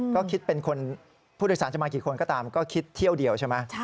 ก็คิดเป็นคนผู้โดยสารจะมากี่คนก็ตามก็คิดเที่ยวเดียวใช่ไหม